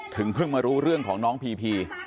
เพิ่งมารู้เรื่องของน้องพีพี